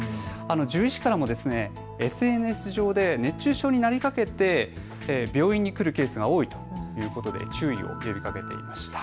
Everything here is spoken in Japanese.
獣医師からもＳＮＳ上で熱中症になりかけて病院に来るケースが多いと注意を呼びかけていました。